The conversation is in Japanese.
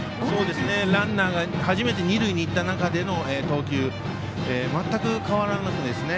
ランナーが初めて二塁に行った中での投球でしたが全く変わらないですね。